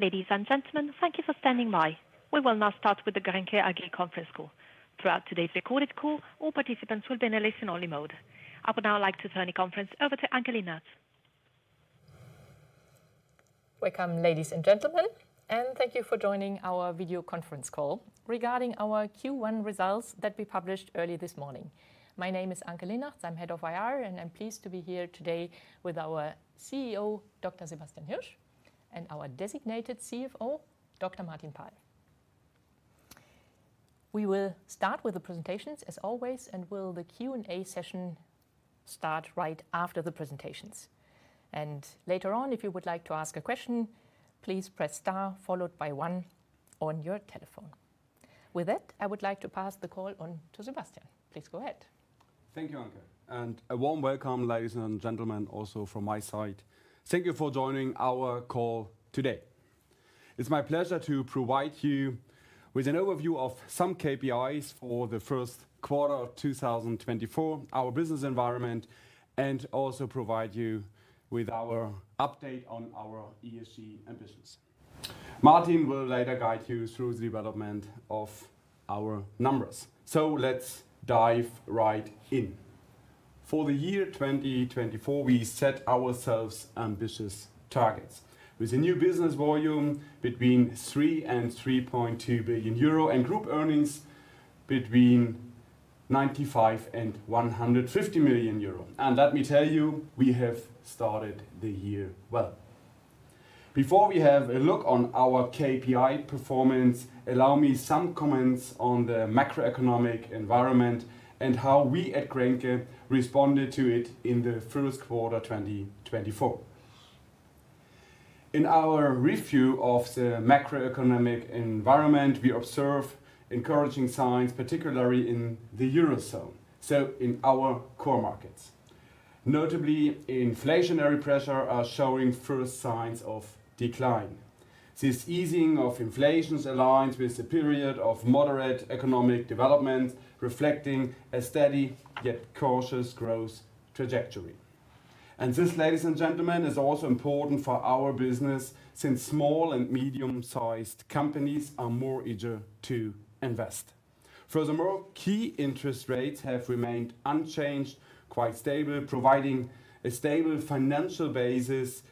Ladies and gentlemen, thank you for standing by. We will now start with the GRENKE AG Conference Call. Throughout today's recorded call, all participants will be in a listen-only mode. I would now like to turn the conference over to Anke Linnartz. Welcome, ladies and gentlemen, and thank you for joining our video conference call regarding our Q1 results that we published early this morning. My name is Anke Linnartz. I'm head of IR, and I'm pleased to be here today with our CEO, Dr. Sebastian Hirsch, and our designated CFO, Dr. Martin Paal. We will start with the presentations, as always, and the Q&A session will start right after the presentations. Later on, if you would like to ask a question, please press star followed by one on your telephone. With that, I would like to pass the call on to Sebastian. Please go ahead. Thank you, Anke. A warm welcome, ladies and gentlemen, also from my side. Thank you for joining our call today. It's my pleasure to provide you with an overview of some KPIs for the first quarter of 2024, our business environment, and also provide you with our update on our ESG ambitions. Martin will later guide you through the development of our numbers. Let's dive right in. For the year 2024, we set ourselves ambitious targets with a new business volume between 3 billion and 3.2 billion euro and group earnings between 95 million and 150 million euro. Let me tell you, we have started the year well. Before we have a look on our KPI performance, allow me some comments on the macroeconomic environment and how we at Grenke responded to it in the first quarter 2024. In our review of the macroeconomic environment, we observe encouraging signs, particularly in the Eurozone, so in our core markets. Notably, inflationary pressure is showing first signs of decline. This easing of inflation aligns with a period of moderate economic development reflecting a steady yet cautious growth trajectory. This, ladies and gentlemen, is also important for our business since small and medium-sized companies are more eager to invest. Furthermore, key interest rates have remained unchanged, quite stable, providing a stable financial basis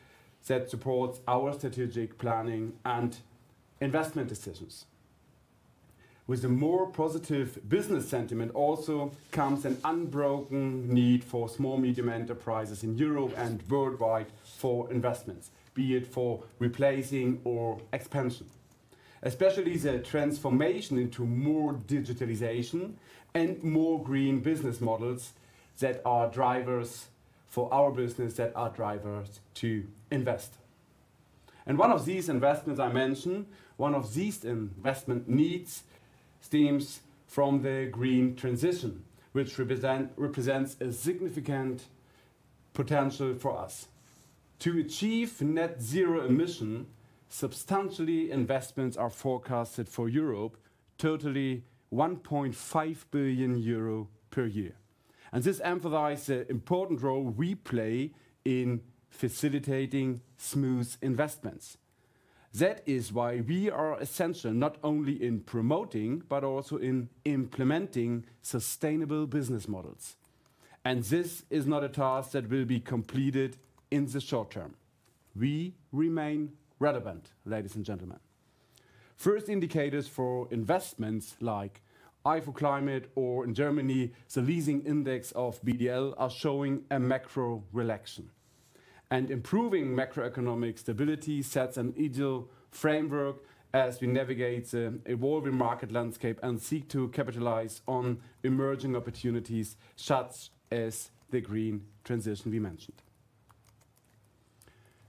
that supports our strategic planning and investment decisions. With a more positive business sentiment also comes an unbroken need for small, medium enterprises in Europe and worldwide for investments, be it for replacing or expansion, especially the transformation into more digitalization and more green business models that are drivers for our business that are drivers to invest. One of these investments I mentioned, one of these investment needs stems from the green transition, which represents a significant potential for us. To achieve net zero emission, substantially investments are forecasted for Europe, totaling 1.5 billion euro per year. This emphasizes the important role we play in facilitating smooth investments. That is why we are essential not only in promoting but also in implementing sustainable business models. This is not a task that will be completed in the short term. We remain relevant, ladies and gentlemen. First indicators for investments like Ifo climate or, in Germany, the Leasing Index of BDL are showing a macro relaxation. Improving macroeconomic stability sets an ideal framework as we navigate the evolving market landscape and seek to capitalize on emerging opportunities such as the green transition we mentioned.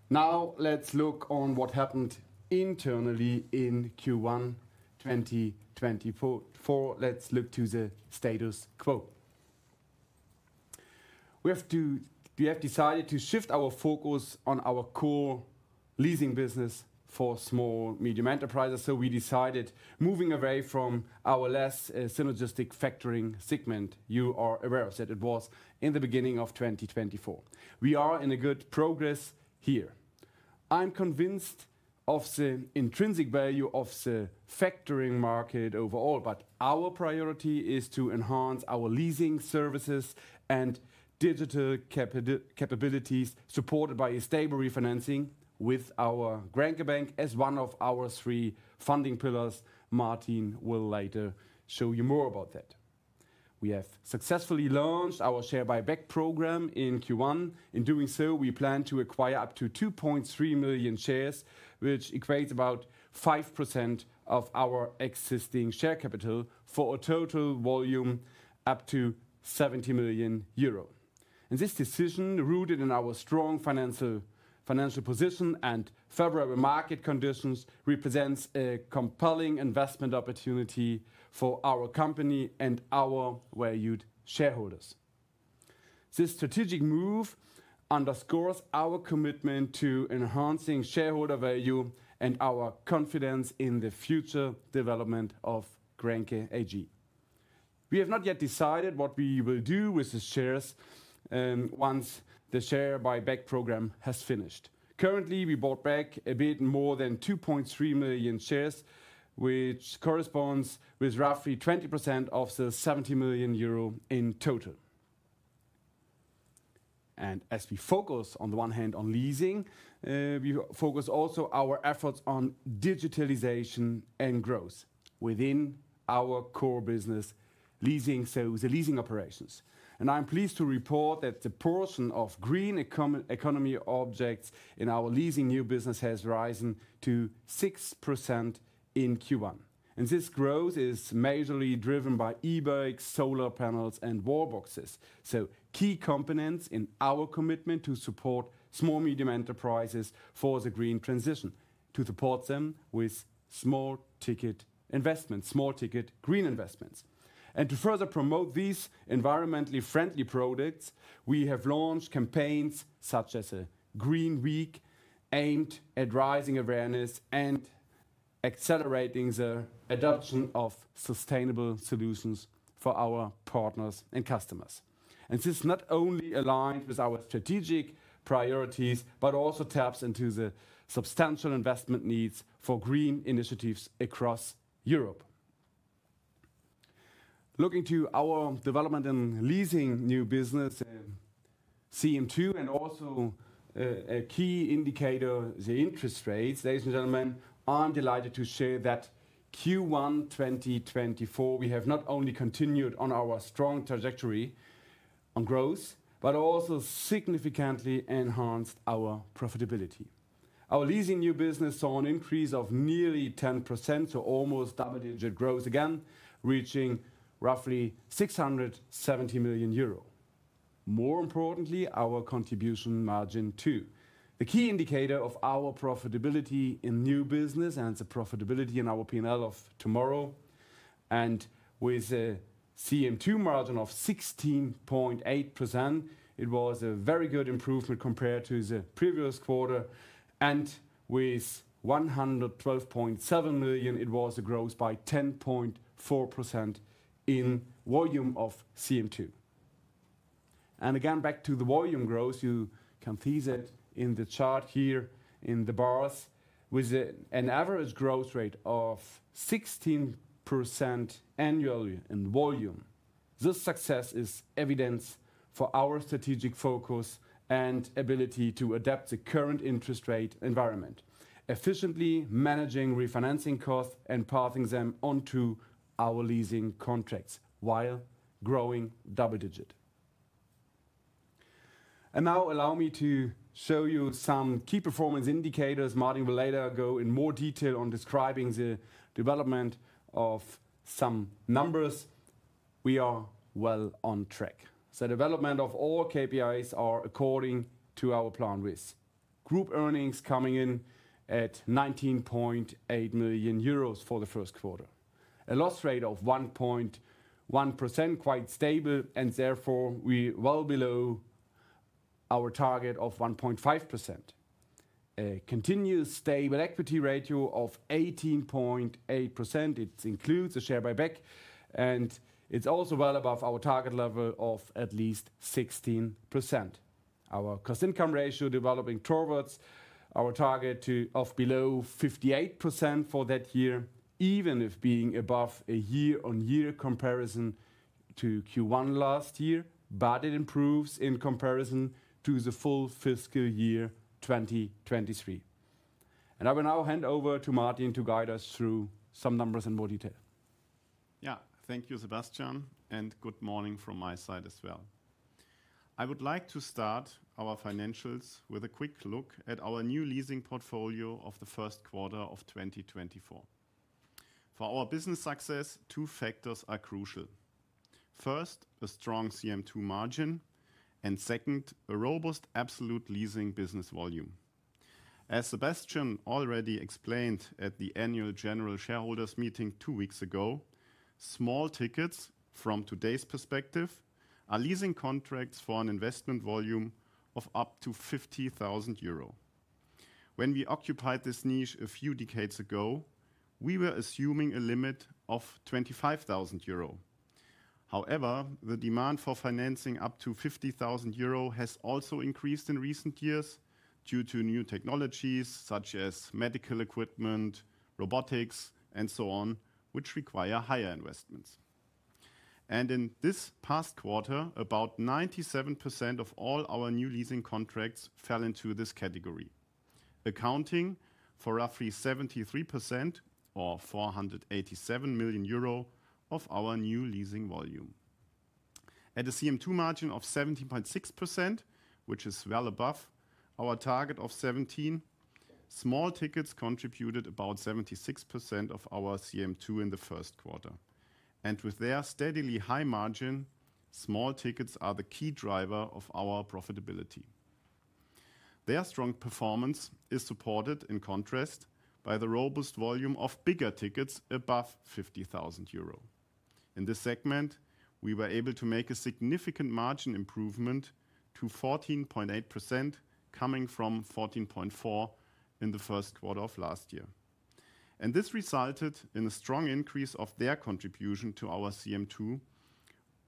Now let's look on what happened internally in Q1 2024. Let's look to the status quo. We have decided to shift our focus on our core leasing business for small, medium enterprises. So we decided moving away from our less synergistic factoring segment you are aware of that it was in the beginning of 2024. We are in good progress here. I'm convinced of the intrinsic value of the factoring market overall, but our priority is to enhance our leasing services and digital capabilities supported by stable refinancing with our Grenke Bank as one of our three funding pillars. Martin will later show you more about that. We have successfully launched our share buyback program in Q1. In doing so, we plan to acquire up to 2.3 million shares, which equates about 5% of our existing share capital for a total volume up to 70 million euro. This decision, rooted in our strong financial position and favorable market conditions, represents a compelling investment opportunity for our company and our valued shareholders. This strategic move underscores our commitment to enhancing shareholder value and our confidence in the future development of Grenke AG. We have not yet decided what we will do with the shares once the share buyback program has finished. Currently, we bought back a bit more than 2.3 million shares, which corresponds with roughly 20% of the 70 million euro in total. As we focus, on the one hand, on leasing, we focus also our efforts on digitalization and growth within our core business leasing, so the leasing operations. I'm pleased to report that the portion of green economy objects in our leasing new business has risen to 6% in Q1. This growth is majorly driven by e-bikes, solar panels, and wallboxes, so key components in our commitment to support small, medium enterprises for the green transition, to support them with small-ticket investments, small-ticket green investments. To further promote these environmentally friendly products, we have launched campaigns such as a Green Week aimed at raising awareness and accelerating the adoption of sustainable solutions for our partners and customers. This not only aligns with our strategic priorities but also taps into the substantial investment needs for green initiatives across Europe. Looking to our development in leasing new business, CM2, and also a key indicator, the interest rates, ladies and gentlemen, I'm delighted to share that Q1 2024, we have not only continued on our strong trajectory on growth but also significantly enhanced our profitability. Our leasing new business saw an increase of nearly 10%, so almost double-digit growth again, reaching roughly 670 million euro. More importantly, our Contribution Margin 2, the key indicator of our profitability in new business and the profitability in our P&L of tomorrow. With a CM2 margin of 16.8%, it was a very good improvement compared to the previous quarter. With 112.7 million, it was a growth by 10.4% in volume of CM2. Again, back to the volume growth, you can see that in the chart here in the bars with an average growth rate of 16% annually in volume. This success is evidence for our strategic focus and ability to adapt the current interest rate environment, efficiently managing refinancing costs and passing them onto our leasing contracts while growing double-digit. Now allow me to show you some key performance indicators. Martin will later go in more detail on describing the development of some numbers. We are well on track. Development of all KPIs are according to our plan with group earnings coming in at 19.8 million euros for the first quarter, a loss rate of 1.1%, quite stable, and therefore we're well below our target of 1.5%, a continuous stable equity ratio of 18.8%. It includes a share buyback, and it's also well above our target level of at least 16%, our cost-income ratio developing towards our target of below 58% for that year, even if being above a year-on-year comparison to Q1 last year. But it improves in comparison to the full fiscal year 2023. I will now hand over to Martin to guide us through some numbers and more detail. Yeah, thank you, Sebastian, and good morning from my side as well. I would like to start our financials with a quick look at our new leasing portfolio of the first quarter of 2024. For our business success, two factors are crucial. First, a strong CM2 margin. And second, a robust absolute leasing business volume. As Sebastian already explained at the annual general shareholders meeting two weeks ago, small tickets from today's perspective are leasing contracts for an investment volume of up to 50,000 euro. When we occupied this niche a few decades ago, we were assuming a limit of 25,000 euro. However, the demand for financing up to 50,000 euro has also increased in recent years due to new technologies such as medical equipment, robotics, and so on, which require higher investments. In this past quarter, about 97% of all our new leasing contracts fell into this category, accounting for roughly 73% or 487 million euro of our new leasing volume. At a CM2 margin of 17.6%, which is well above our target of 17%, small tickets contributed about 76% of our CM2 in the first quarter. With their steadily high margin, small tickets are the key driver of our profitability. Their strong performance is supported, in contrast, by the robust volume of bigger tickets above 50,000 euro. In this segment, we were able to make a significant margin improvement to 14.8%, coming from 14.4% in the first quarter of last year. This resulted in a strong increase of their contribution to our CM2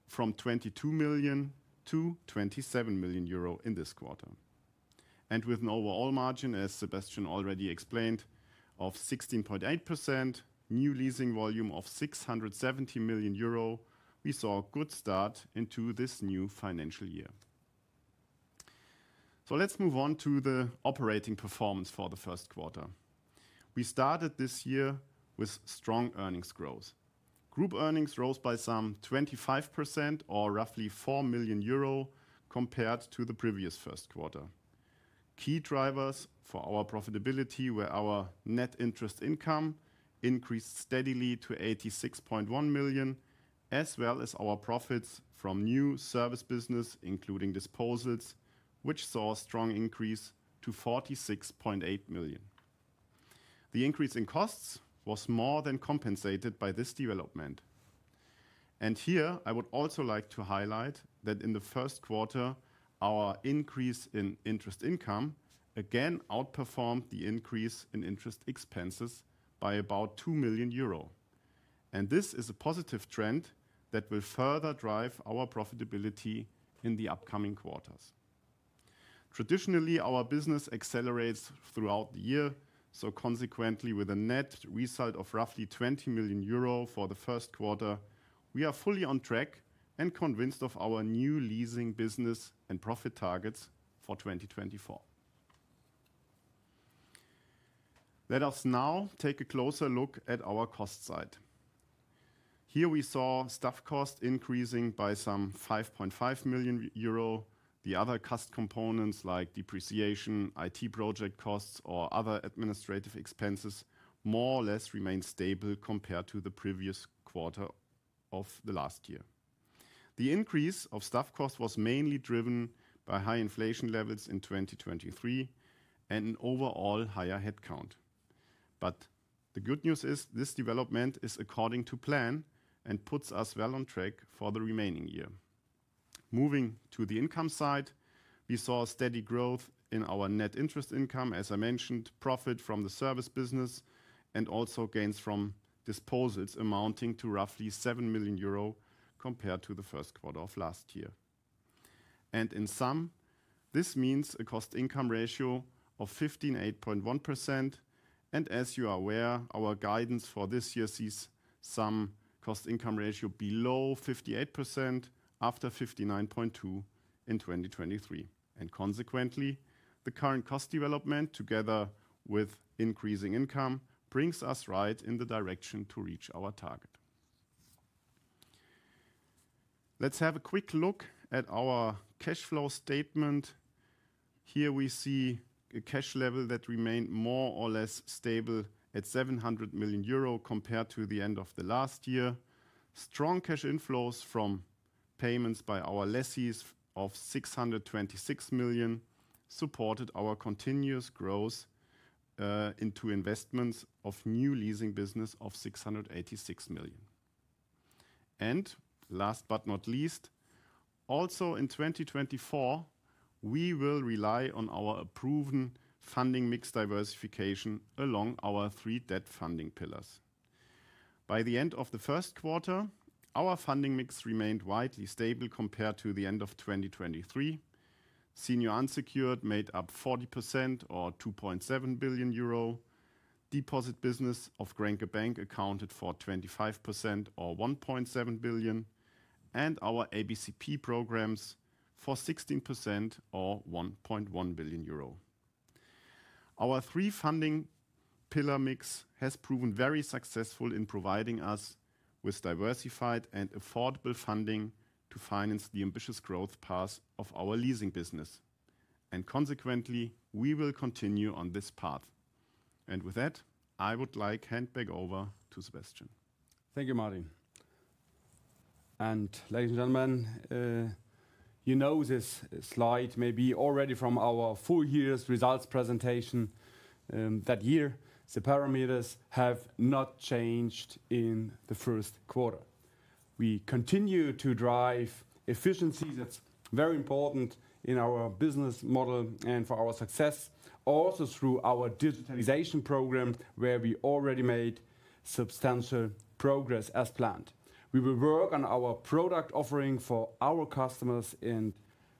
from 22 million-27 million euro in this quarter. And with an overall margin, as Sebastian already explained, of 16.8%, new leasing volume of 670 million euro, we saw a good start into this new financial year. So let's move on to the operating performance for the first quarter. We started this year with strong earnings growth. Group earnings rose by some 25% or roughly 4 million euro compared to the previous first quarter. Key drivers for our profitability were our net interest income increased steadily to 86.1 million, as well as our profits from new service business, including disposals, which saw a strong increase to 46.8 million. The increase in costs was more than compensated by this development. And here I would also like to highlight that in the first quarter, our increase in interest income again outperformed the increase in interest expenses by about 2 million euro. This is a positive trend that will further drive our profitability in the upcoming quarters. Traditionally, our business accelerates throughout the year. Consequently, with a net result of roughly 20 million euro for the first quarter, we are fully on track and convinced of our new leasing business and profit targets for 2024. Let us now take a closer look at our cost side. Here we saw staff costs increasing by some 5.5 million euro. The other cost components like depreciation, IT project costs, or other administrative expenses more or less remain stable compared to the previous quarter of the last year. The increase of staff costs was mainly driven by high inflation levels in 2023 and an overall higher headcount. The good news is this development is according to plan and puts us well on track for the remaining year. Moving to the income side, we saw a steady growth in our net interest income, as I mentioned, profit from the service business, and also gains from disposals amounting to roughly 7 million euro compared to the first quarter of last year. In sum, this means a cost-income ratio of 15.8%. As you are aware, our guidance for this year sees some cost-income ratio below 58% after 59.2% in 2023. Consequently, the current cost development, together with increasing income, brings us right in the direction to reach our target. Let's have a quick look at our cash flow statement. Here we see a cash level that remained more or less stable at 700 million euro compared to the end of the last year. Strong cash inflows from payments by our lessees of 626 million supported our continuous growth into investments of new leasing business of 686 million. Last but not least, also in 2024, we will rely on our approved funding mix diversification along our three debt funding pillars. By the end of the first quarter, our funding mix remained widely stable compared to the end of 2023. Senior unsecured made up 40% or 2.7 billion euro. Deposit business of Grenke Bank accounted for 25% or 1.7 billion. Our ABCP programs for 16% or 1.1 billion euro. Our three funding pillar mix has proven very successful in providing us with diversified and affordable funding to finance the ambitious growth path of our leasing business. Consequently, we will continue on this path. With that, I would like to hand back over to Sebastian. Thank you, Martin. And ladies and gentlemen, you know this slide maybe already from our full year's results presentation. That year, the parameters have not changed in the first quarter. We continue to drive efficiencies. That's very important in our business model and for our success, also through our digitalization program, where we already made substantial progress as planned. We will work on our product offering for our customers and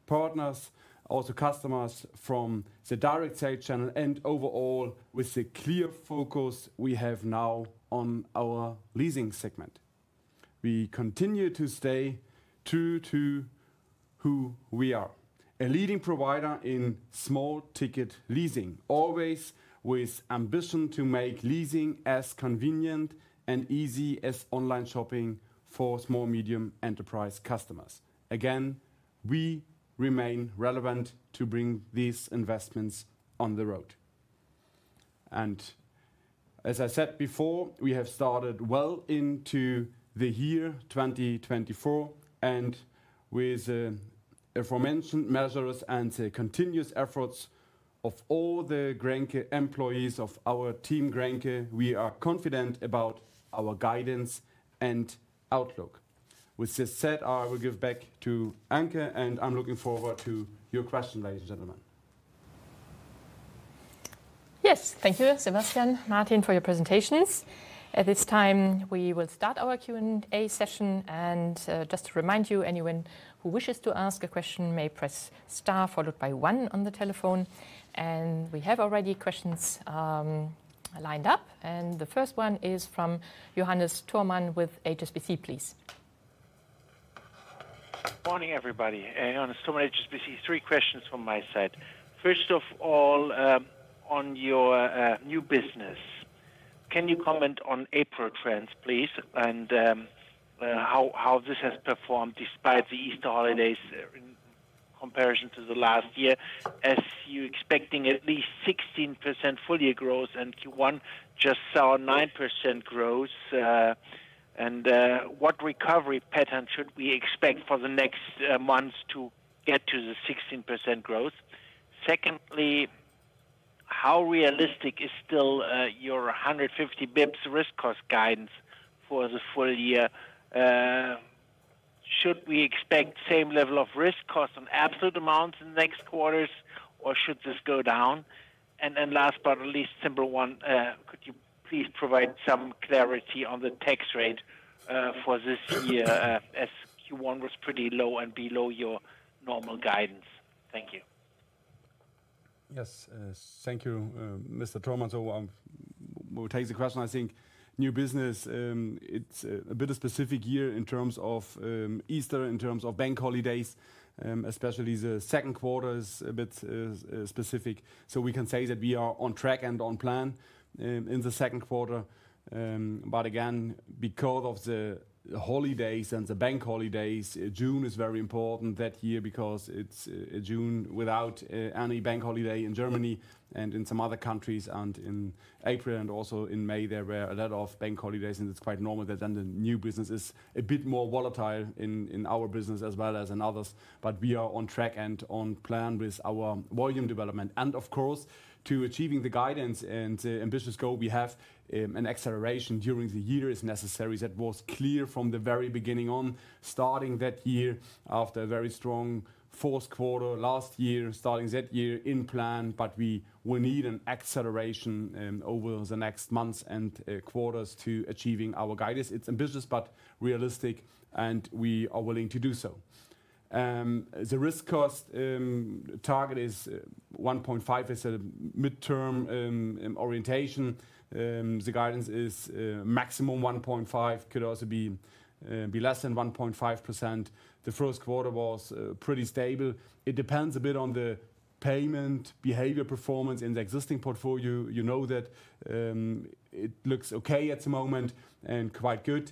partners, also customers from the direct sales channel, and overall with the clear focus we have now on our leasing segment. We continue to stay true to who we are, a leading provider in small-ticket leasing, always with ambition to make leasing as convenient and easy as online shopping for small, medium enterprise customers. Again, we remain relevant to bring these investments on the road. And as I said before, we have started well into the year 2024. With the aforementioned measures and the continuous efforts of all the GRENKE employees of our team GRENKE, we are confident about our guidance and outlook. With this said, I will give back to Anke, and I'm looking forward to your question, ladies and gentlemen. Yes, thank you, Sebastian, Martin, for your presentations. At this time, we will start our Q&A session. Just to remind you, anyone who wishes to ask a question may press star followed by one on the telephone. We have already questions lined up. The first one is from Johannes Thormann with HSBC, please. Good morning, everybody. Johannes Thormann, HSBC, three questions from my side. First of all, on your new business, can you comment on April trends, please, and how this has performed despite the Easter holidays in comparison to the last year? As you're expecting at least 16% full year growth, and Q1 just saw 9% growth. And what recovery pattern should we expect for the next months to get to the 16% growth? Secondly, how realistic is still your 150 basis points risk cost guidance for the full year? Should we expect same level of risk cost on absolute amounts in the next quarters, or should this go down? And then last but not least, simple one, could you please provide some clarity on the tax rate for this year as Q1 was pretty low and below your normal guidance? Thank you. Yes, thank you, Mr. Thormann. We'll take the question. I think new business, it's a bit of a specific year in terms of Easter, in terms of bank holidays, especially the second quarter is a bit specific. We can say that we are on track and on plan in the second quarter. But again, because of the holidays and the bank holidays, June is very important that year because it's June without any bank holiday in Germany and in some other countries. In April and also in May, there were a lot of bank holidays. It's quite normal that then the new business is a bit more volatile in our business as well as in others. We are on track and on plan with our volume development. And of course, to achieving the guidance and the ambitious goal we have, an acceleration during the year is necessary. That was clear from the very beginning on, starting that year after a very strong fourth quarter last year, starting that year in plan. But we will need an acceleration over the next months and quarters to achieving our guidance. It's ambitious, but realistic, and we are willing to do so. The risk cost target is 1.5%. It's a mid-term orientation. The guidance is maximum 1.5%. It could also be less than 1.5%. The first quarter was pretty stable. It depends a bit on the payment behavior performance in the existing portfolio. You know that it looks okay at the moment and quite good.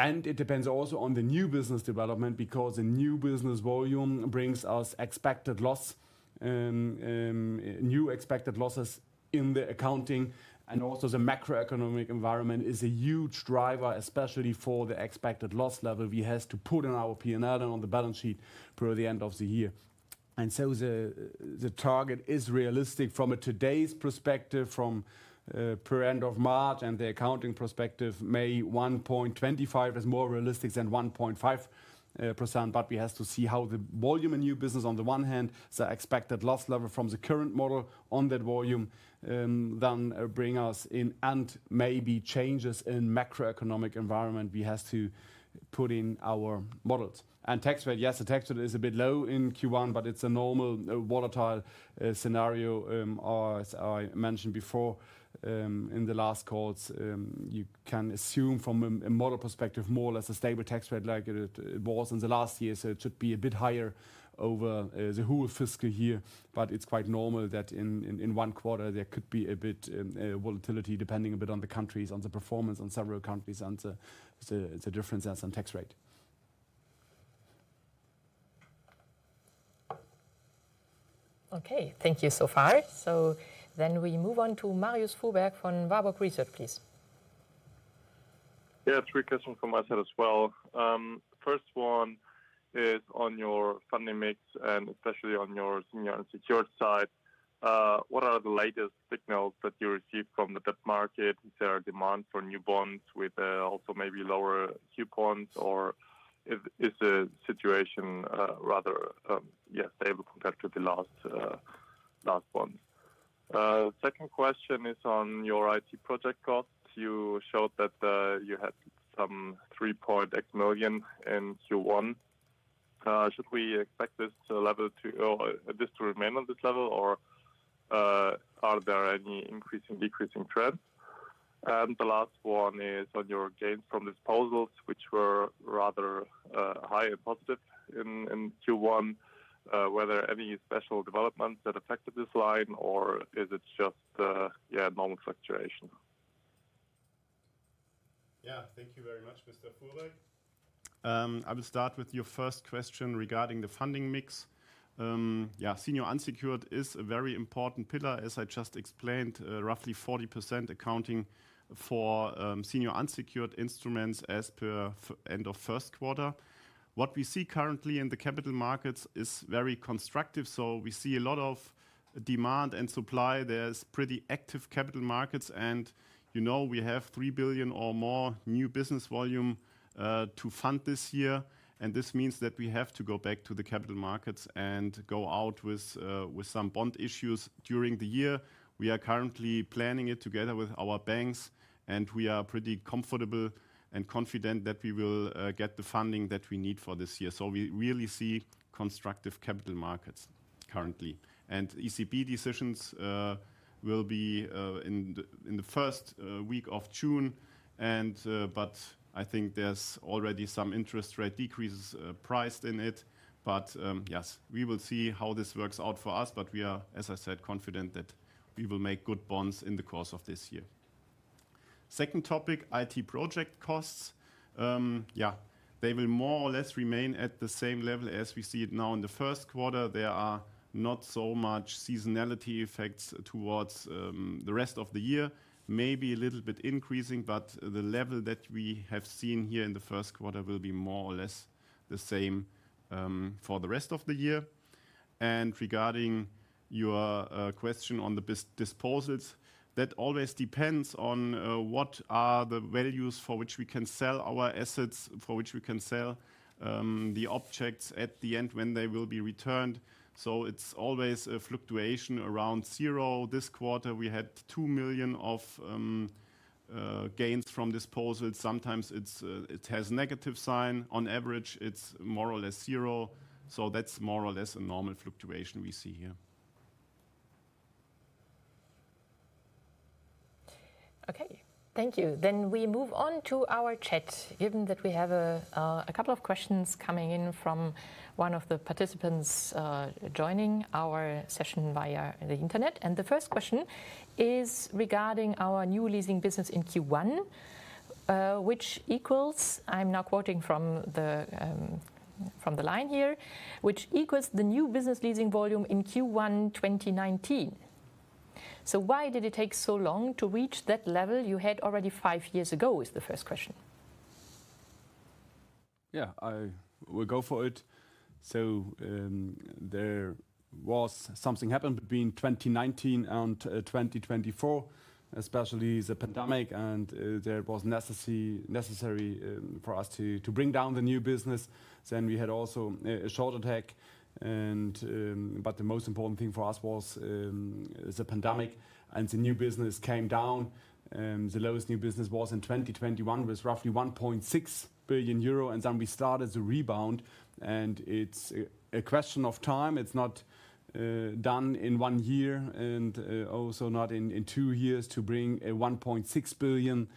And it depends also on the new business development because the new business volume brings us expected loss, new expected losses in the accounting. Also, the macroeconomic environment is a huge driver, especially for the expected loss level we have to put in our P&L and on the balance sheet as per the end of the year. So the target is realistic from today's perspective, from our end of March and the accounting perspective. Maybe 1.25% is more realistic than 1.5%. But we have to see how the volume in new business, on the one hand, the expected loss level from the current model on that volume then bring us in and maybe changes in macroeconomic environment we have to put in our models. Tax rate, yes, the tax rate is a bit low in Q1, but it's a normal, volatile scenario. As I mentioned before in the last calls, you can assume from a model perspective more or less a stable tax rate like it was in the last year. It should be a bit higher over the whole fiscal year. It's quite normal that in one quarter, there could be a bit of volatility depending a bit on the countries, on the performance on several countries, and the differences on tax rate. Okay, thank you so far. So then we move on to Marius Fuhrberg from Warburg Research, please. Yeah, three questions from my side as well. First one is on your funding mix and especially on your senior unsecured side. What are the latest signals that you received from the debt market? Is there a demand for new bonds with also maybe lower coupons, or is the situation rather stable compared to the last ones? Second question is on your IT project costs. You showed that you had some EUR 3.x million in Q1. Should we expect this to remain on this level, or are there any increasing, decreasing trends? And the last one is on your gains from disposals, which were rather high and positive in Q1. Were there any special developments that affected this line, or is it just normal fluctuation? Yeah, thank you very much, Mr. Fuhrberg. I will start with your first question regarding the funding mix. Yeah, Senior unsecured is a very important pillar. As I just explained, roughly 40% accounting for Senior unsecured instruments as per end of first quarter. What we see currently in the capital markets is very constructive. So we see a lot of demand and supply. There's pretty active capital markets. And you know we have 3 billion or more new business volume to fund this year. And this means that we have to go back to the capital markets and go out with some bond issues during the year. We are currently planning it together with our banks. And we are pretty comfortable and confident that we will get the funding that we need for this year. So we really see constructive capital markets currently. ECB decisions will be in the first week of June. But I think there's already some interest rate decreases priced in it. But yes, we will see how this works out for us. But we are, as I said, confident that we will make good bonds in the course of this year. Second topic, IT project costs. Yeah, they will more or less remain at the same level as we see it now in the first quarter. There are not so much seasonality effects towards the rest of the year, maybe a little bit increasing. But the level that we have seen here in the first quarter will be more or less the same for the rest of the year. Regarding your question on the disposals, that always depends on what are the values for which we can sell our assets, for which we can sell the objects at the end when they will be returned. So it's always a fluctuation around zero. This quarter, we had 2 million of gains from disposals. Sometimes it has a negative sign. On average, it's more or less zero. So that's more or less a normal fluctuation we see here. Okay, thank you. Then we move on to our chat, given that we have a couple of questions coming in from one of the participants joining our session via the internet. And the first question is regarding our new leasing business in Q1, which equals (I'm now quoting from the line here) which equals the new business leasing volume in Q1 2019. So why did it take so long to reach that level you had already five years ago is the first question. Yeah, we'll go for it. So there was something happened between 2019 and 2024, especially the pandemic. And there was necessity for us to bring down the new business. Then we had also a short attack. But the most important thing for us was the pandemic. And the new business came down. The lowest new business was in 2021 with roughly 1.6 billion euro. And then we started the rebound. And it's a question of time. It's not done in one year and also not in two years to bring a 1.6 billion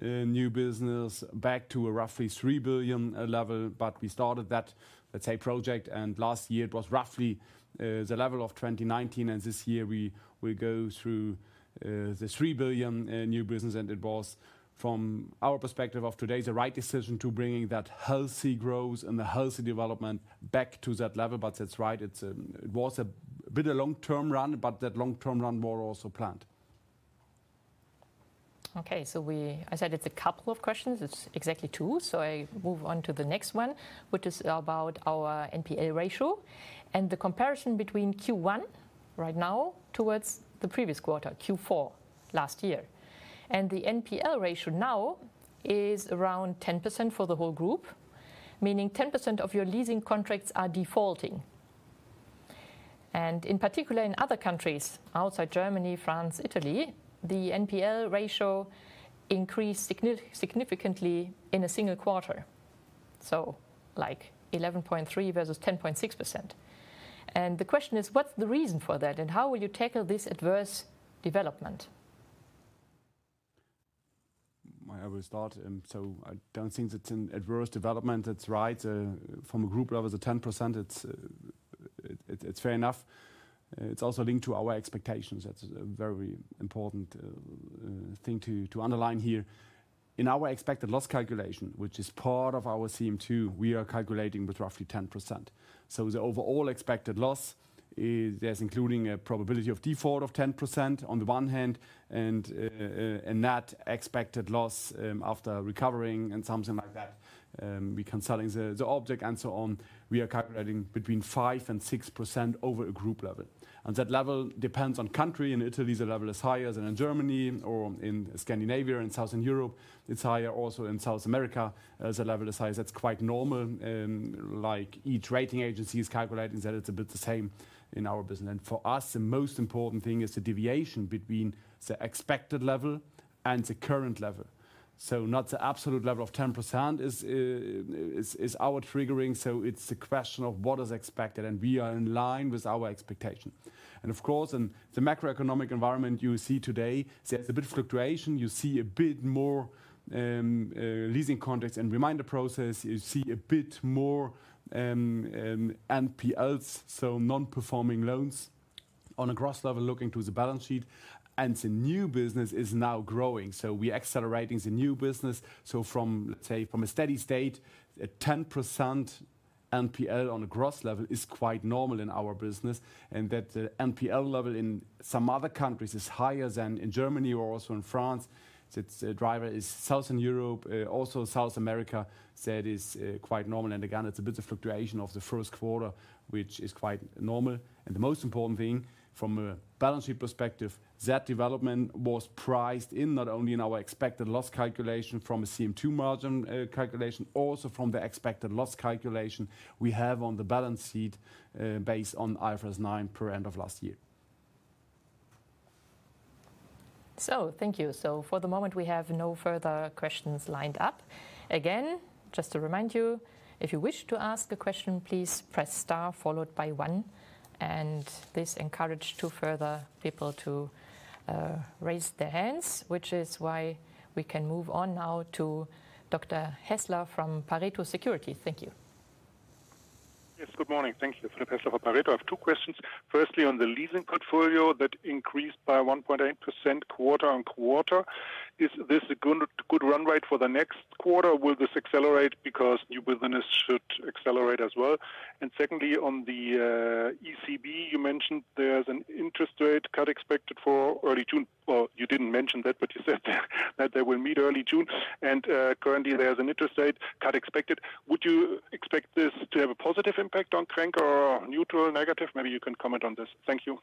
new business back to a roughly 3 billion level. But we started that, let's say, project. And last year, it was roughly the level of 2019. And this year, we will go through the 3 billion new business. It was from our perspective of today, the right decision to bringing that healthy growth and the healthy development back to that level. That's right. It was a bit of a long-term run, but that long-term run was also planned. Okay, so I said it's a couple of questions. It's exactly two. So I move on to the next one, which is about our NPL ratio and the comparison between Q1 right now towards the previous quarter, Q4 last year. And the NPL ratio now is around 10% for the whole group, meaning 10% of your leasing contracts are defaulting. And in particular, in other countries outside Germany, France, Italy, the NPL ratio increased significantly in a single quarter, so like 11.3% versus 10.6%. And the question is, what's the reason for that? And how will you tackle this adverse development? I will start. So I don't think it's an adverse development. That's right. From a group level, the 10%, it's fair enough. It's also linked to our expectations. That's a very important thing to underline here. In our expected loss calculation, which is part of our CM2, we are calculating with roughly 10%. So the overall expected loss, that's including a probability of default of 10% on the one hand. And that expected loss after recovering and something like that, we're consulting the object and so on, we are calculating between 5%-6% over a group level. And that level depends on country. In Italy, the level is higher than in Germany or in Scandinavia and Southern Europe. It's higher also in South America. The level is higher. That's quite normal. Like each rating agency is calculating that it's a bit the same in our business. For us, the most important thing is the deviation between the expected level and the current level. So not the absolute level of 10% is our triggering. So it's a question of what is expected. We are in line with our expectation. Of course, in the macroeconomic environment you see today, there's a bit of fluctuation. You see a bit more leasing contracts and reminder process. You see a bit more NPLs, so non-performing loans on a gross level looking to the balance sheet. The new business is now growing. So we're accelerating the new business. So from a steady state, a 10% NPL on a gross level is quite normal in our business. That NPL level in some other countries is higher than in Germany or also in France. The driver is Southern Europe, also South America. That is quite normal. And again, it's a bit of fluctuation of the first quarter, which is quite normal. The most important thing, from a balance sheet perspective, that development was priced in not only in our expected loss calculation from a CM2 margin calculation, also from the expected loss calculation we have on the balance sheet based on IFRS 9 per end of last year. Thank you. For the moment, we have no further questions lined up. Again, just to remind you, if you wish to ask a question, please press star followed by one. This encourages people to raise their hands, which is why we can move on now to Dr. Häßler from Pareto Securities. Thank you. Yes, good morning. Thank you for the passing of Pareto. I have two questions. Firstly, on the leasing portfolio that increased by 1.8% quarter-on-quarter, is this a good runway for the next quarter? Will this accelerate because new business should accelerate as well? And secondly, on the ECB, you mentioned there's an interest rate cut expected for early June. Well, you didn't mention that, but you said that they will meet early June. And currently, there's an interest rate cut expected. Would you expect this to have a positive impact on Grenke or neutral, negative? Maybe you can comment on this. Thank you.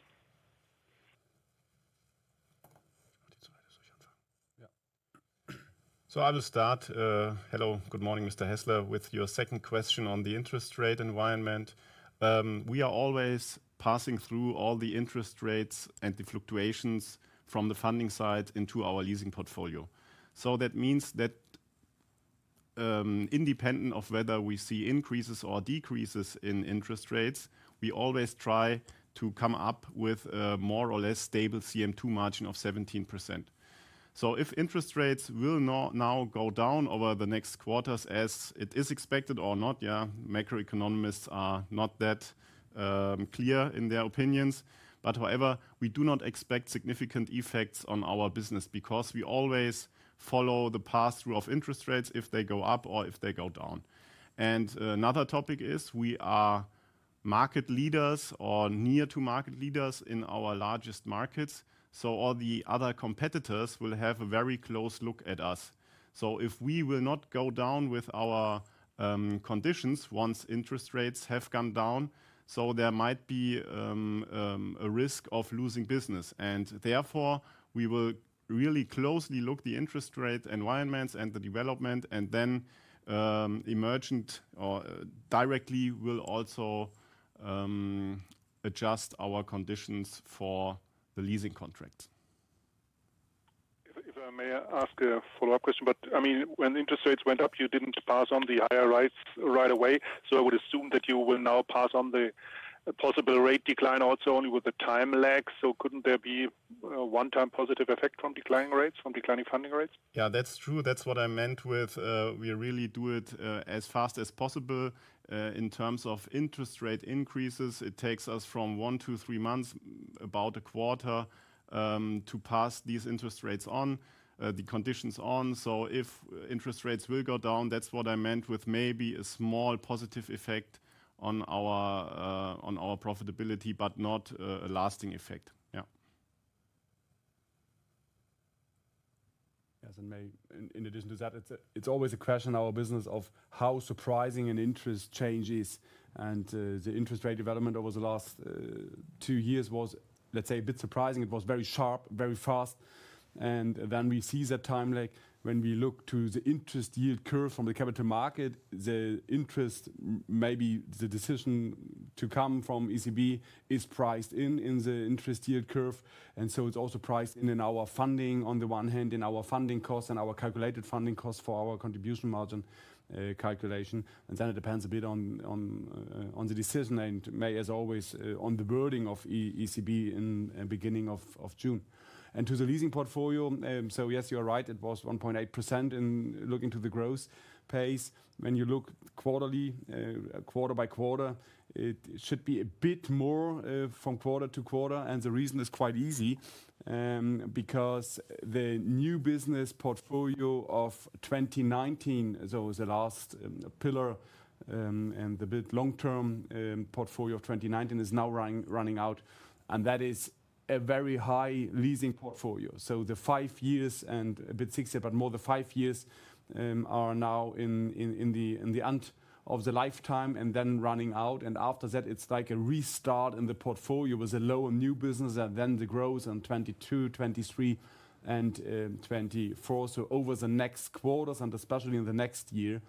So I will start. Hello, good morning, Mr. Häßler, with your second question on the interest rate environment. We are always passing through all the interest rates and the fluctuations from the funding side into our leasing portfolio. So that means that independent of whether we see increases or decreases in interest rates, we always try to come up with a more or less stable CM2 margin of 17%. So if interest rates will now go down over the next quarters as it is expected or not, yeah, macroeconomists are not that clear in their opinions. But however, we do not expect significant effects on our business because we always follow the pass-through of interest rates if they go up or if they go down. And another topic is we are market leaders or near to market leaders in our largest markets. All the other competitors will have a very close look at us. If we will not go down with our conditions once interest rates have gone down, there might be a risk of losing business. Therefore, we will really closely look at the interest rate environments and the development. And then immediately or directly we will also adjust our conditions for the leasing contracts. If I may ask a follow-up question. But I mean, when interest rates went up, you didn't pass on the higher rates right away. So I would assume that you will now pass on the possible rate decline also only with the time lag. So couldn't there be a one-time positive effect from declining rates, from declining funding rates? Yeah, that's true. That's what I meant with we really do it as fast as possible in terms of interest rate increases. It takes us from 1-3 months, about a quarter, to pass these interest rates on, the conditions on. So if interest rates will go down, that's what I meant with maybe a small positive effect on our profitability, but not a lasting effect. Yeah. Yes, and in addition to that, it's always a question in our business of how surprising an interest change is. And the interest rate development over the last two years was, let's say, a bit surprising. It was very sharp, very fast. And then we see that time lag. When we look to the interest yield curve from the capital market, the interest, maybe the decision to come from ECB, is priced in the interest yield curve. And so it's also priced in in our funding on the one hand, in our funding costs and our calculated funding costs for our Contribution Margin calculation. And then it depends a bit on the decision and, as always, on the wording of ECB in the beginning of June. And to the leasing portfolio, so yes, you are right. It was 1.8% in looking to the growth pace. When you look quarterly, quarter by quarter, it should be a bit more from quarter to quarter. The reason is quite easy because the new business portfolio of 2019, so the last pillar and the bit long-term portfolio of 2019, is now running out. That is a very high leasing portfolio. The five years and a bit six year, but more the five years are now in the end of the lifetime and then running out. After that, it's like a restart in the portfolio with a lower new business and then the growth in 2022, 2023, and 2024. Over the next quarters and especially in the next year,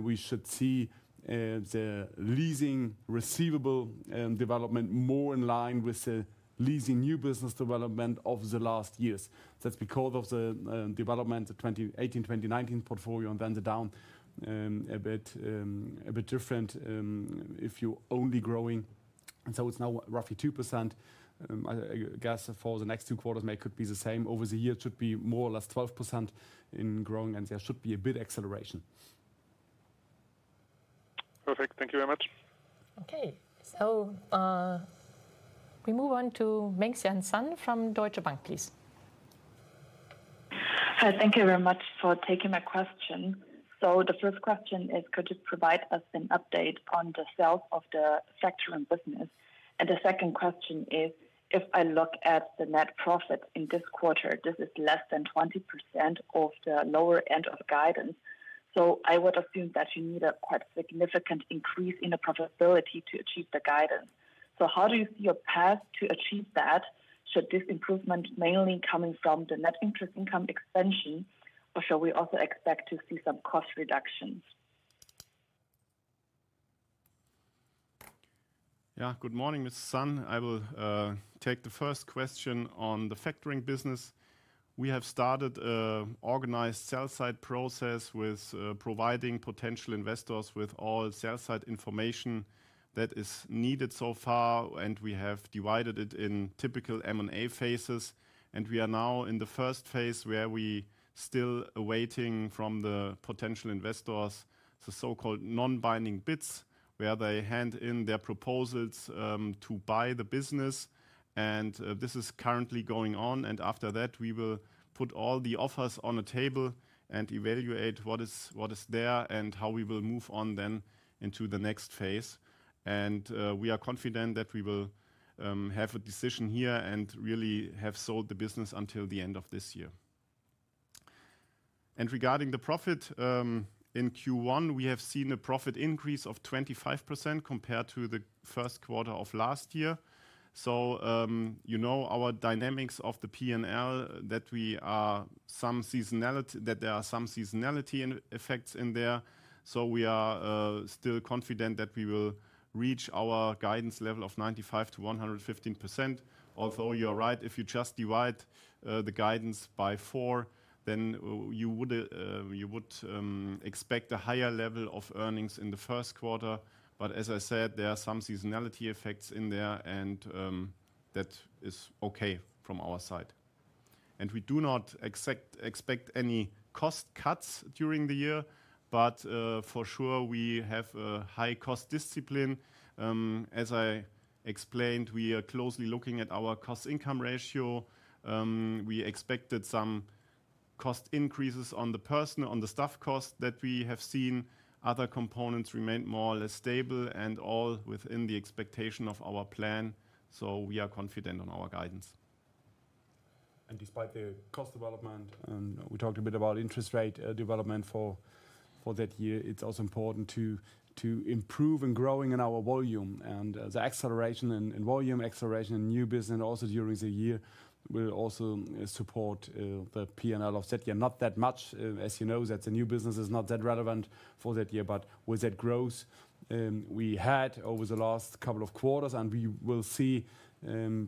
we should see the leasing receivable development more in line with the leasing new business development of the last years. That's because of the development, the 2018, 2019 portfolio, and then the down a bit different if you're only growing. And so it's now roughly 2%. I guess for the next 2 quarters, maybe it could be the same. Over the year, it should be more or less 12% in growing. And there should be a bit of acceleration. Perfect. Thank you very much. Okay, so we move on to Mengxian Sun from Deutsche Bank, please. Hi, thank you very much for taking my question. So the first question is, could you provide us an update on the sales of the factoring business? And the second question is, if I look at the net profit in this quarter, this is less than 20% of the lower end of guidance. So I would assume that you need a quite significant increase in the profitability to achieve the guidance. So how do you see your path to achieve that? Should this improvement mainly come from the net interest income expansion, or shall we also expect to see some cost reductions? Yeah, good morning, Ms. Sun. I will take the first question on the factoring business. We have started an organized sell-side process with providing potential investors with all sell-side information that is needed so far. We have divided it in typical M&A phases. We are now in the phase I where we are still awaiting from the potential investors the so-called non-binding bids where they hand in their proposals to buy the business. This is currently going on. After that, we will put all the offers on a table and evaluate what is there and how we will move on then into the next phase. We are confident that we will have a decision here and really have sold the business until the end of this year. Regarding the profit in Q1, we have seen a profit increase of 25% compared to the first quarter of last year. You know our dynamics of the P&L that we are some seasonality that there are some seasonality effects in there. We are still confident that we will reach our guidance level of 95%-115%. Although you are right, if you just divide the guidance by 4, then you would expect a higher level of earnings in the first quarter. As I said, there are some seasonality effects in there. That is okay from our side. We do not expect any cost cuts during the year. For sure, we have a high cost discipline. As I explained, we are closely looking at our cost-income ratio. We expected some cost increases on the personal, on the staff cost that we have seen. Other components remain more or less stable and all within the expectation of our plan. So we are confident on our guidance. Despite the cost development, we talked a bit about interest rate development for that year. It's also important to improve and grow in our volume. The acceleration in volume, acceleration in new business also during the year, will also support the P&L of that year. Not that much, as you know, that the new business is not that relevant for that year. With that growth we had over the last couple of quarters and we will see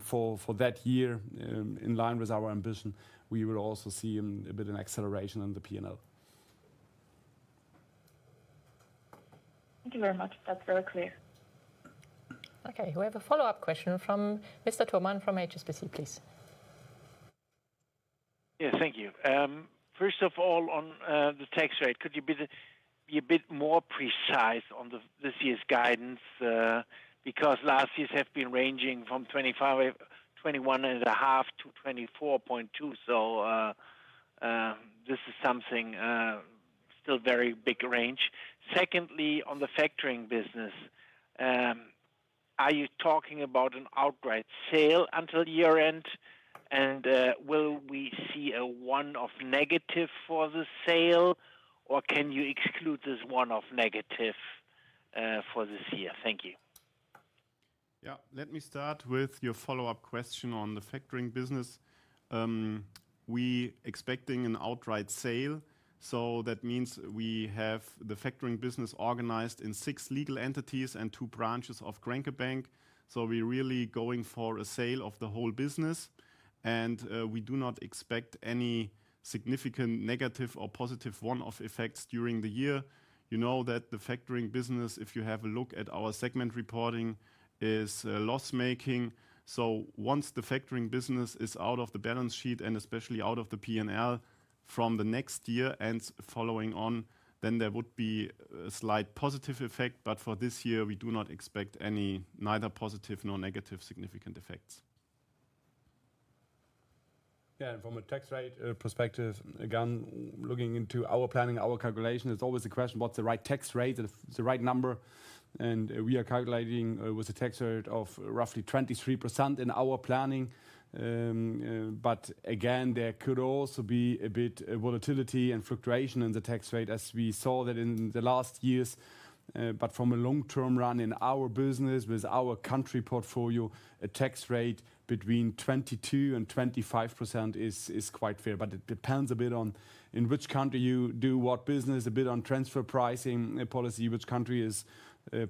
for that year in line with our ambition, we will also see a bit of an acceleration in the P&L. Thank you very much. That's very clear. Okay, we have a follow-up question from Mr. Thormann from HSBC, please. Yeah, thank you. First of all, on the tax rate, could you be a bit more precise on this year's guidance? Because last years have been ranging from 21.5%-24.2%. So this is something still very big range. Secondly, on the factoring business, are you talking about an outright sale until year-end? And will we see a one-off negative for the sale? Or can you exclude this one-off negative for this year? Thank you. Yeah, let me start with your follow-up question on the factoring business. We are expecting an outright sale. So that means we have the factoring business organized in six legal entities and two branches of Grenke Bank. So we are really going for a sale of the whole business. And we do not expect any significant negative or positive one-off effects during the year. You know that the factoring business, if you have a look at our segment reporting, is loss-making. So once the factoring business is out of the balance sheet and especially out of the P&L from the next year and following on, then there would be a slight positive effect. But for this year, we do not expect any neither positive nor negative significant effects. Yeah, and from a tax rate perspective, again, looking into our planning, our calculation, it's always a question: what's the right tax rate, the right number? And we are calculating with a tax rate of roughly 23% in our planning. But again, there could also be a bit of volatility and fluctuation in the tax rate, as we saw that in the last years. But from a long-term run in our business with our country portfolio, a tax rate between 22% and 25% is quite fair. But it depends a bit on in which country you do what business, a bit on transfer pricing policy, which country is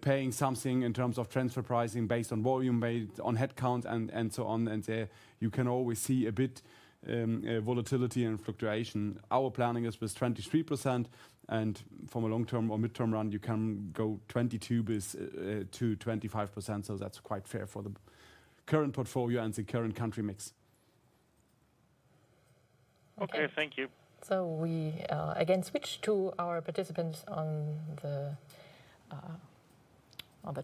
paying something in terms of transfer pricing based on volume-based, on headcount, and so on. And you can always see a bit of volatility and fluctuation. Our planning is with 23%. From a long-term or midterm run, you can go 22%-25%. That's quite fair for the current portfolio and the current country mix. Okay, thank you. We again switch to our participants on the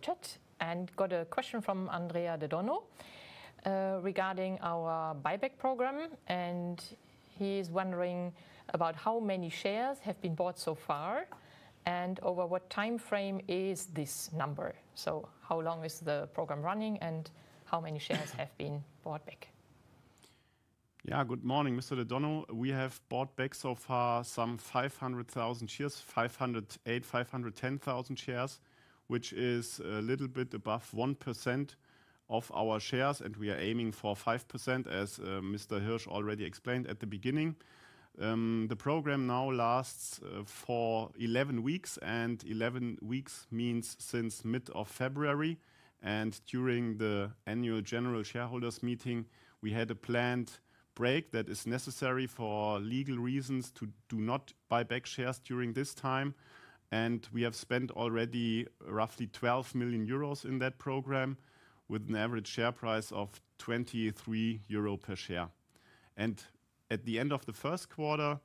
chat and got a question from Andrea De Donno regarding our buyback program. He is wondering about how many shares have been bought so far and over what time frame is this number. How long is the program running and how many shares have been bought back? Yeah, good morning, Mr. De Donno. We have bought back so far some 500,000 shares, 508,000, 510,000 shares, which is a little bit above 1% of our shares. We are aiming for 5%, as Mr. Hirsch already explained at the beginning. The program now lasts for 11 weeks. 11 weeks means since mid-February. During the annual general shareholders' meeting, we had a planned break that is necessary for legal reasons to not buy back shares during this time. We have spent already roughly 12 million euros in that program with an average share price of 23 euro per share. At the end of the first quarter,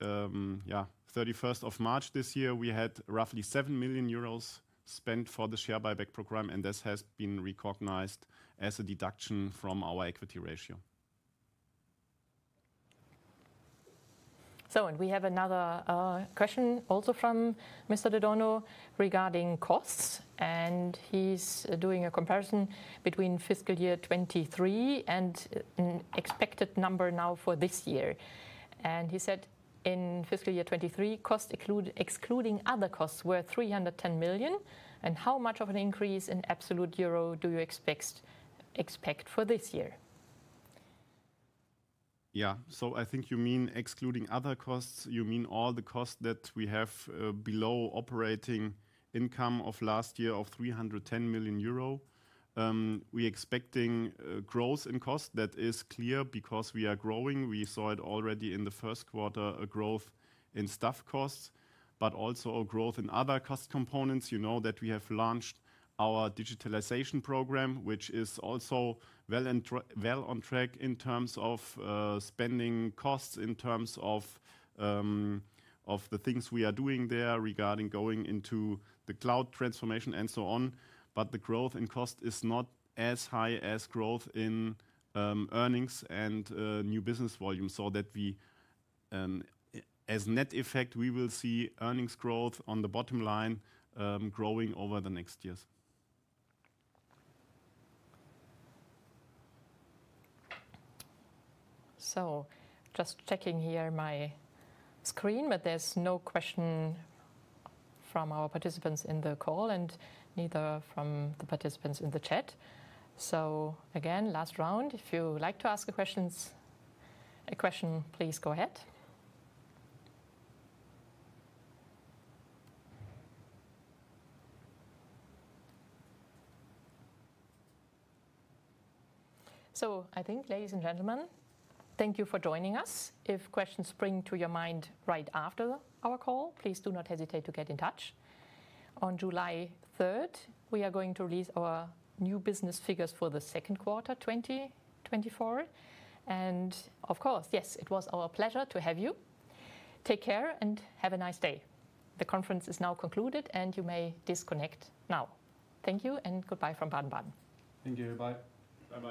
yeah, 31st of March this year, we had roughly 7 million euros spent for the share buyback program. That has been recognized as a deduction from our equity ratio. We have another question also from Mr. De Donno regarding costs. He's doing a comparison between fiscal year 2023 and an expected number now for this year. He said in fiscal year 2023, costs excluding other costs were 310 million. How much of an increase in absolute Euro do you expect for this year? Yeah, so I think you mean excluding other costs. You mean all the costs that we have below operating income of last year of 310 million euro. We are expecting growth in costs. That is clear because we are growing. We saw it already in the first quarter, a growth in staff costs, but also a growth in other cost components. You know that we have launched our digitalization program, which is also well on track in terms of spending costs, in terms of the things we are doing there regarding going into the cloud transformation and so on. But the growth in costs is not as high as growth in earnings and new business volume. So as a net effect, we will see earnings growth on the bottom line growing over the next years. Just checking here my screen, but there's no question from our participants in the call and neither from the participants in the chat. Again, last round, if you would like to ask a question, please go ahead. I think, ladies and gentlemen, thank you for joining us. If questions spring to your mind right after our call, please do not hesitate to get in touch. On July 3rd, we are going to release our new business figures for the second quarter, 2024. Of course, yes, it was our pleasure to have you. Take care and have a nice day. The conference is now concluded, and you may disconnect now. Thank you and goodbye from Baden-Baden. Thank you. Bye. Bye-bye.